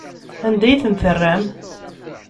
Anda ay ten-terram?